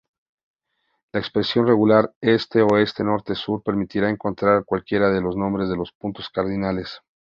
La expresión regular "este|oeste|norte|sur" permitirá encontrar cualquiera de los nombres de los puntos cardinales.